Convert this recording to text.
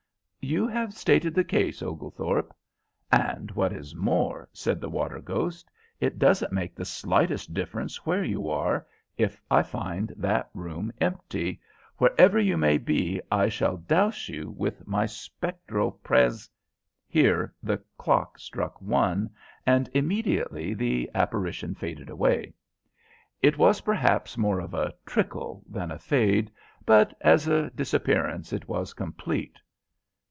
"You have stated the case, Oglethorpe. And what is more," said the water ghost, "it doesn't make the slightest difference where you are, if I find that room empty, wherever you may be I shall douse you with my spectral pres " Here the clock struck one, and immediately the apparition faded away. It was perhaps more of a trickle than a fade, but as a disappearance it was complete.